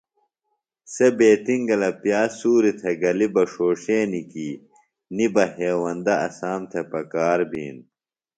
سےۡ بیتِنگلہ پیاز سُوریۡ تھےۡ گلیۡ بہ ݜوݜینیۡ کی نیۡ بہ ہیوندہ اسام تھےۡ پکار بِھین۔